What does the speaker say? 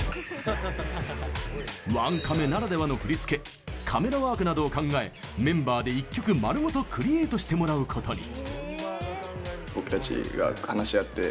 ワンカメならではの振り付けカメラワークなどを考えメンバーで１曲まるごとクリエイトしてもらうことに。